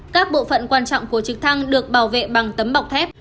các bộ phận quan trọng của trực thăng được bảo vệ bằng tấm bọc thép